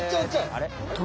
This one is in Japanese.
あれ？